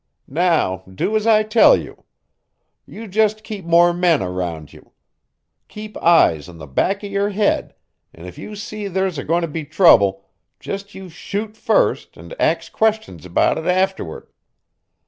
Now, do as I tell you. You just keep more men around you. Keep eyes in the back of your head, and if you see there's a goin' to be trouble, jest you shoot first and ax questions about it afterward.